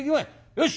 よし！